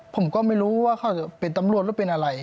ผมก็ไม่รู้ว่าเขาจะเป็นตำรวจหรือเป็นอะไร